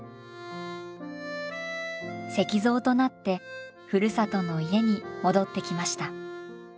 石像となってふるさとの家に戻ってきました。